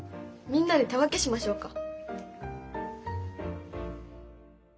みんなで手分けしましょうか。